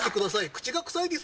口が臭いです